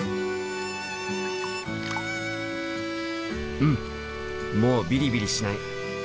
うんもうビリビリしない。